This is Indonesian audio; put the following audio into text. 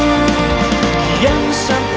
alam raya bersama